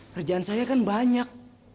kerjaan saya kan banyak